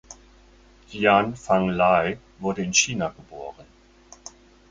Jian Fang Lay wurde in China geboren.